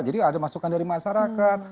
jadi ada masukan dari masyarakat